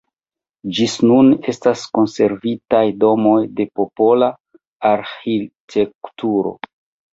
Ĝis nun estas konservitaj domoj de popola arĥitekturo.